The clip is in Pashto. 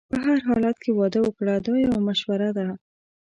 په هر حالت کې واده وکړه دا یو مشوره ده.